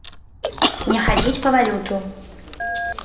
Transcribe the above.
Не хадзіць па валюту!